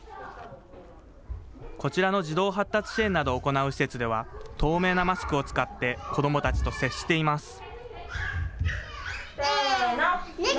こちらの児童発達支援などを行う施設では、透明なマスクを使って子どもたちと接しています。